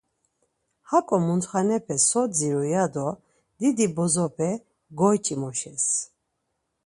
Haǩo mutxanepe so dziru ya do didi bozope goyç̌imoşes.